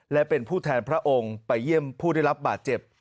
และเป็นผู้แทนพระองค์ไปเยี่ยมผู้ได้รับบาดเจ็บ